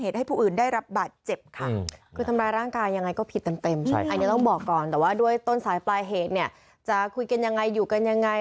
แต่ว่าด้วยต้นสายปลายเหตุจะคุยกันยังไงอยู่กันยังไง